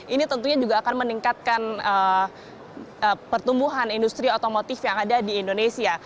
ini tentunya juga akan meningkatkan pertumbuhan industri otomotif yang ada di indonesia